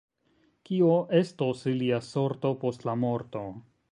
Kio estos ilia sorto post la morto?